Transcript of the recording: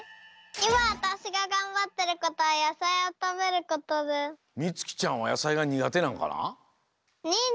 いまわたしががんばってることはみつきちゃんはやさいがにがてなんかな？